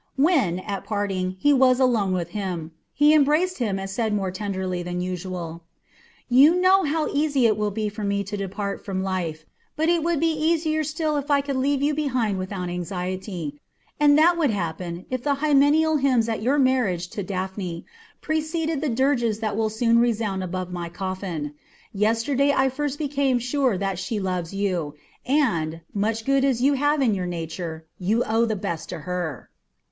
When, at parting, he was alone with him, he embraced him and said more tenderly than usual: "You know how easy it will be for me to depart from life; but it would be easier still if I could leave you behind without anxiety, and that would happen if the hymeneal hymns at your marriage to Daphne preceded the dirges which will soon resound above my coffin. Yesterday I first became sure that she loves you, and, much good as you have in your nature, you owe the best to her."